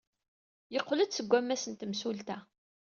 Yeqqel-d seg wammas n temsulta.